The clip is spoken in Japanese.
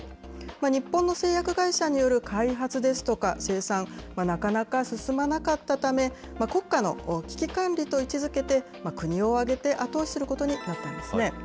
日本の製薬会社による開発ですとか生産、なかなか進まなかったため、国家の危機管理と位置づけて、国を挙げて後押しすることになったんですね。